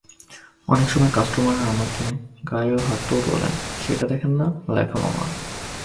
অনেক সময় কাস্টমাররা আমাগো গায়ে হাতও তোলে সেইটা দেখেনও না, লেখেনও না।